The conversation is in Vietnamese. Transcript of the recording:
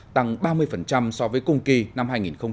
tăng ba mươi so với cùng kỳ năm hai nghìn một mươi tám